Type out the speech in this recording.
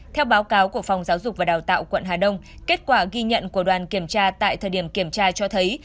theo báo cáo của phòng giáo dục và đào tạo quận hà đông kết quả ghi nhận của đoàn kiểm tra tại thời điểm kiểm tra cho thấy